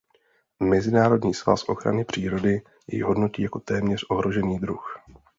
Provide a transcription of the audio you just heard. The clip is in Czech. Mezinárodní svaz ochrany přírody jej hodnotí jako téměř ohrožený druh.